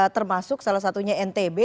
termasuk salah satunya ntb